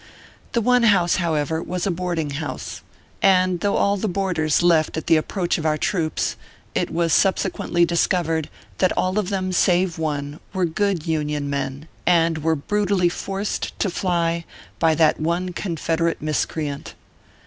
The one house,, however, was a boarding house ; and though all the boarders left at the approach of our troops, it was subsequently discovered that all of them save one, were good Union men, and were brutally forced to fly by that one Confederate mis creant.